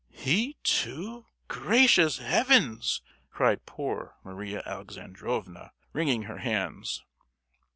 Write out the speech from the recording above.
"He, too—gracious Heaven!" cried poor Maria Alexandrovna, wringing her hands.